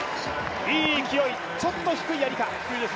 いい勢い、ちょっと低いやりか。